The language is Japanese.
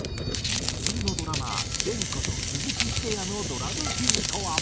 ミスチルのドラマーＪＥＮこと鈴木英哉のドラムフィルとは？